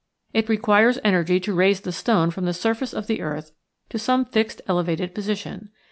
It requires energy to raise the stone from the surface of the earth to some fixed elevated position.